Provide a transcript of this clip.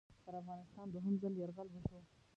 پر افغانستان دوهم ځل یرغل وشو.